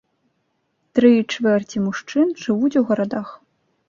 Тры чвэрці мужчын жывуць у гарадах.